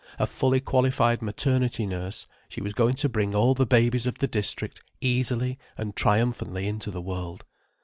A fully qualified maternity nurse, she was going to bring all the babies of the district easily and triumphantly into the world.